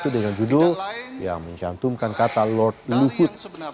dengan judul yang mencantumkan kata lord luhut